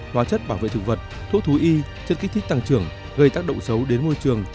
hóa chất bảo vệ thực vật thuốc thú y chất kích thích tăng trưởng gây tác động xấu đến môi trường